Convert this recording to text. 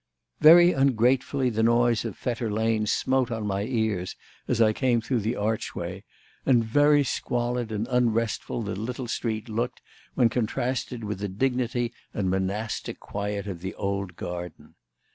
Very ungratefully the noise of Fetter Lane smote on my ears as I came out through the archway, and very squalid and unrestful the little street looked when contrasted with the dignity and monastic quiet of the old garden.